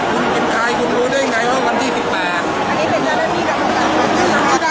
คุณเป็นใครคุณรู้ได้ยังไงว่าวันที่สิบแปดอันนี้เป็นและนี่กัน